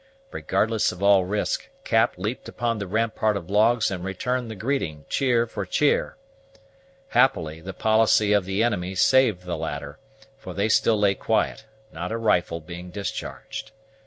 Regardless of all risk, Cap leaped upon the rampart of logs and returned the greeting, cheer for cheer. Happily, the policy of the enemy saved the latter; for they still lay quiet, not a rifle being discharged.